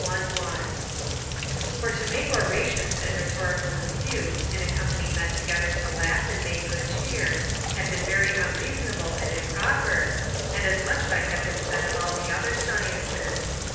I.] For to make orations and rhetorical disputes in a company met together to laugh and make good cheer, had been very unreasonable and improper, and as much might have been said of all the other sciences.